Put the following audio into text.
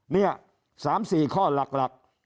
นี่๓๔ข้อหลัก